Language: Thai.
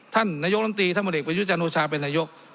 ท่านนายกรรมตรีท่านพลเอกประยุจันโอชาเป็นนายก